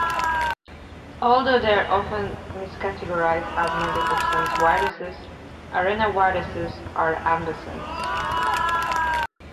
Although they are often miscategorized as negative-sense viruses, arenaviruses are ambisense.